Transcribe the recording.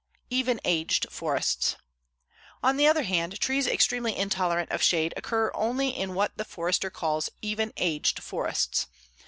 EVEN AGED FORESTS On the other hand, trees extremely intolerant of shade occur only in what the forester calls even aged forests.